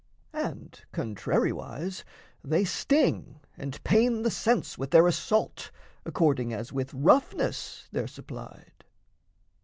And contrariwise, They sting and pain the sense with their assault, According as with roughness they're supplied.